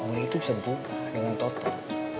orang itu bisa buka dengan total